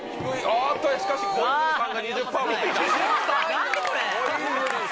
あっとしかし小泉さんが２０％持ってきた。